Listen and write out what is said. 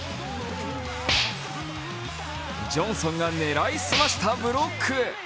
ジョンソンが狙いすましたブロック。